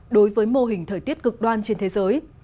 đối với mô hình thời tiết cực đoan trên thế giới